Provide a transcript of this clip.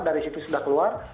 dari situ sudah keluar